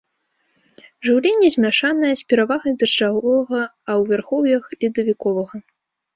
Жыўленне змяшанае, з перавагай дажджавога, а ў вярхоўях ледавіковага.